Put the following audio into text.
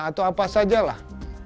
atau apa saja lah